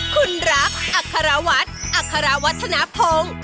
คุณรักอัครวัฒน์อัครวัฒนภง